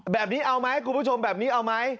แบบนี้เอาไหมคุณผู้ชมแบบนี้เอาไหม